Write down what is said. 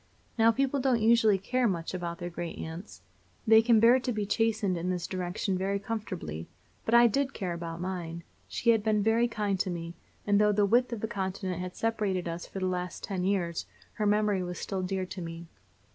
Now people don't usually care much about their great aunts. They can bear to be chastened in this direction very comfortably; but I did care about mine. She had been very kind to me, and though the width of a continent had separated us for the last ten years her memory was still dear to me.